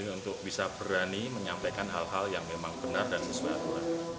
untuk bisa berani menyampaikan hal hal yang benar dan sesuai akurat